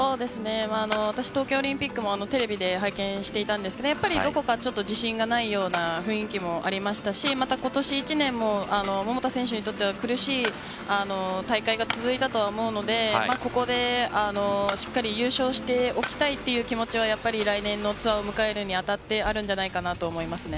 私、東京オリンピックもテレビで拝見していたんですがどこか自信がないような雰囲気もありましたし今年１年も桃田選手にとっては苦しい大会が続いたと思うのでここでしっかり優勝しておきたいという気持ちは来年のツアーを迎えるにあたってあるんじゃないかと思いますね。